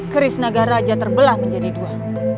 kerisnaga raja terbelah menjadi dua